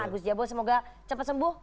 agus jabo semoga cepat sembuh